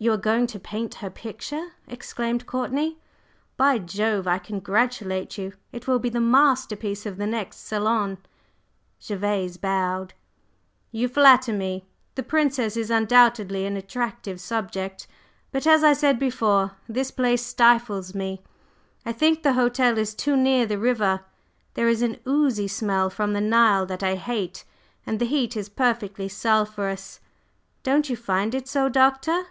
"You are going to paint her picture?" exclaimed Courtney. "By Jove! I congratulate you. It will be the masterpiece of the next salon." Gervase bowed. "You flatter me! The Princess is undoubtedly an attractive subject. But, as I said before, this place stifles me. I think the hotel is too near the river, there is an oozy smell from the Nile that I hate, and the heat is perfectly sulphureous. Don't you find it so, Doctor?"